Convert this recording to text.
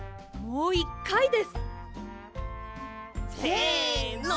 もう１かいです！せの！